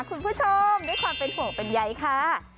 คุณผู้ชมด้วยความเป็นห่วงเป็นใยค่ะ